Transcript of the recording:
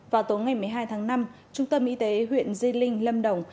vào tối ngày một mươi hai tháng năm trung tâm y tế huyện di linh lâm đồng